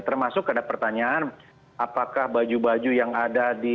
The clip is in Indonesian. termasuk ada pertanyaan apakah baju baju yang ada di